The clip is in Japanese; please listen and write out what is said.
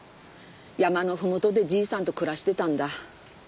山のふもとでじいさんと暮らしてたんだ。